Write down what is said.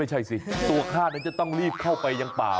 สิตัวข้านั้นจะต้องรีบเข้าไปยังป่า